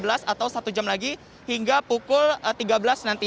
atau satu jam lagi hingga pukul tiga belas nanti